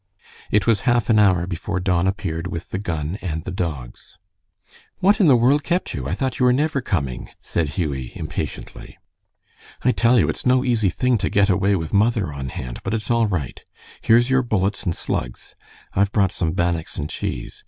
It was half an hour before Don appeared with the gun and the dogs. "What in the world kept you? I thought you were never coming," said Hughie, impatiently. "I tell you it's no easy thing to get away with mother on hand, but it's all right. Here's your bullets and slugs. I've brought some bannocks and cheese.